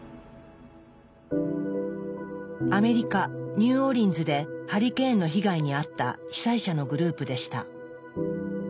アメリカ・ニューオーリンズでハリケーンの被害に遭った被災者のグループでした。